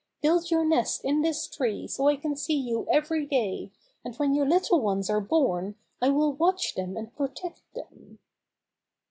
Build your nest in this tree so I can see you every day, and when your little ones are born I will watch them and protect them."